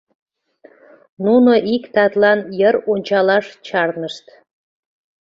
Нуно ик татлан йыр ончалаш чарнышт.